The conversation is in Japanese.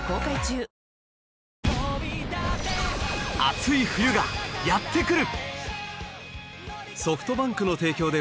熱い冬がやってくる！